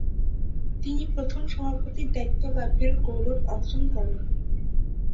তিনি প্রথম সভাপতির দায়িত্ব লাভের গৌরব অর্জন করেন।